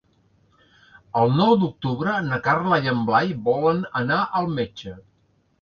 El nou d'octubre na Carla i en Blai volen anar al metge.